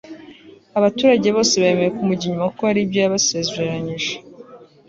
abaturage bose bemeye kumujya inyuma kuko hari ibyo yabasezwranyije